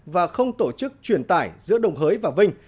và không tổ chức truyền tải giữa đồng hới và vinh